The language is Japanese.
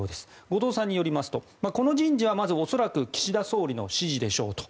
後藤さんによりますとこの人事は恐らく岸田総理の指示でしょうと。